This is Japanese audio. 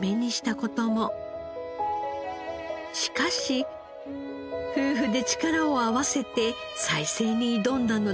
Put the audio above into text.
しかし夫婦で力を合わせて再生に挑んだのです。